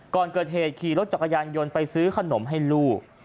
ก่อนเกิดเหตุขี่รถจักรยานยนต์ไปซื้อขนมให้ลูก